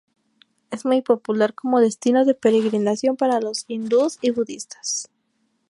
Es muy popular como destino de peregrinación para los hindúes y budistas.